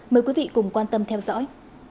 mời quý vị cùng quan tâm theo dõi